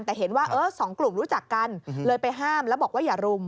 แต่เห็นว่าสองกลุ่มรู้จักกันเลยไปห้ามแล้วบอกว่าอย่ารุม